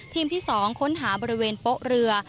ที่๒ค้นหาบริเวณโป๊ะเรือ